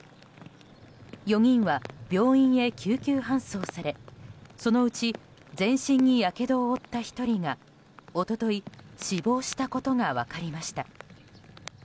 ４人は病院へ救急搬送されそのうち全身にやけどを負った１人が一昨日、死亡したことが分かりました。